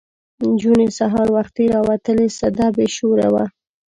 نجونې سهار وختي راوتلې سده بې شوره وه.